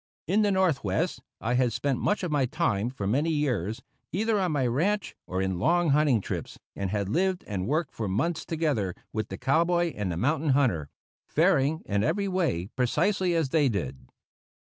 In the Northwest I had spent much of my time, for many years, either on my ranch or in long hunting trips, and had lived and worked for months together with the cowboy and the mountain hunter, faring in every way precisely as they did.